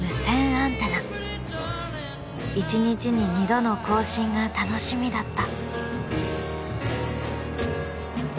１日に２度の交信が楽しみだった。